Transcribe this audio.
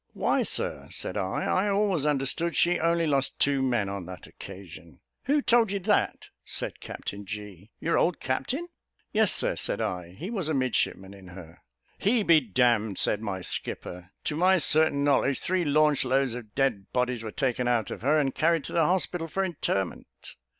"Why, Sir," said I, "I always understood she only lost two men on that occasion." "Who told you that?" said Captain G , "your old captain?" "Yes, Sir," said I, "he was a midshipman in her." "He be d ," said my skipper; "to my certain knowledge, three launch loads of dead bodies were taken out of her, and carried to the hospital for interment."